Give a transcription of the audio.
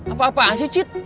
apa apaan sih cid